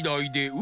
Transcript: う。